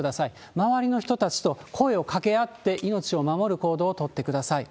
周りの人たちと声をかけ合って、命を守る行動を取ってください。